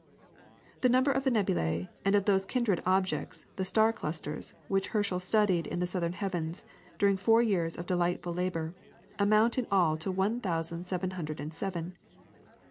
The number of the nebulae and of those kindred objects, the star clusters, which Herschel studied in the southern heavens, during four years of delightful labour, amount in all to one thousand seven hundred and seven.